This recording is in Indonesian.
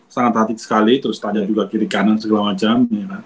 sangat hati sekali terus tanya juga kiri kanan segala macam